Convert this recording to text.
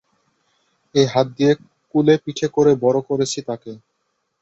এই হাত দিয়ে কুলেপিঠে করে বড় করেছি তাকে।